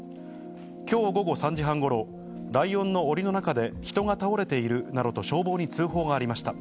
きょう午後３時半ごろ、ライオンのおりの中で人が倒れているなどと消防に通報がありました。